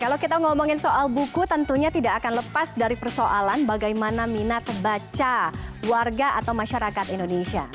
kalau kita ngomongin soal buku tentunya tidak akan lepas dari persoalan bagaimana minat baca warga atau masyarakat indonesia